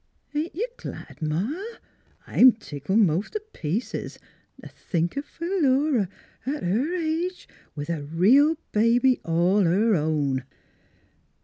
" Ain't you glad, Ma? I'm tickled most t' pieces. T' think o' Philura at her age, with a real baby all her own!